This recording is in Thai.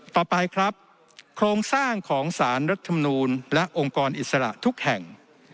ต่อไปครับโครงสร้างของสารรัฐมนูลและองค์กรอิสระทุกแห่ง